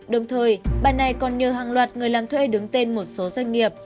đồng thời bà này còn nhờ hàng loạt người làm thuê đứng tên một số doanh nghiệp